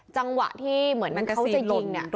จังหวะที่เหมือนเขาจะยิง